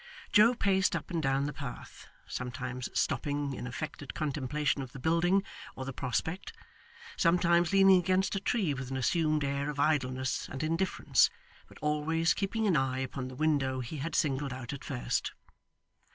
Joe paced up and down the path, sometimes stopping in affected contemplation of the building or the prospect, sometimes leaning against a tree with an assumed air of idleness and indifference, but always keeping an eye upon the window he had singled out at first.